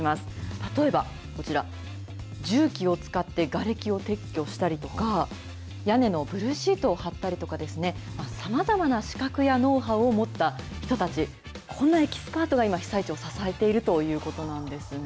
例えばこちら、重機を使ってがれきを撤去したりとか、屋根のブルーシートを張ったりとかですね、さまざまな資格やノウハウを持った人たち、こんなエキスパートが今、被災地を支えているということなんですね。